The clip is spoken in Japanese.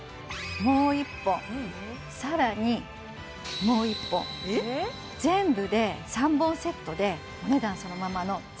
もう１本更にもう１本全部で３本セットでお値段そのままのえ！